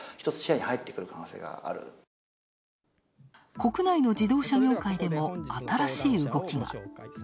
国内の自動車業界でも新しい動きが。